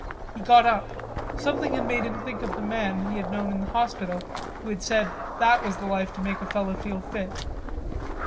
He got up. Something had made him think of the man he had known in the hospital who had said that was the life to make a feller feel fit.